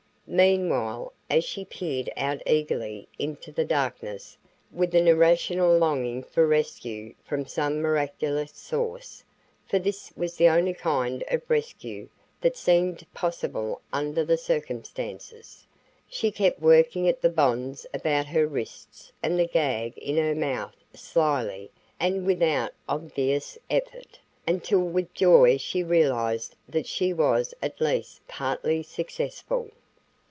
Meanwhile, as she peered out eagerly into the darkness with an irrational longing for rescue from some miraculous source for this was the only kind of rescue that seemed possible under the circumstances she kept working at the bonds about her wrists and the gag in her mouth slyly and without obvious effort, until with joy she realized that she was at least partly successful.